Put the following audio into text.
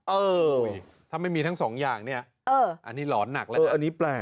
เออถ้าไม่มีทั้งสองอย่างเนี่ยอันนี้หลอนหนักแล้วนะ